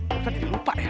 pak ustadz jadi lupa ya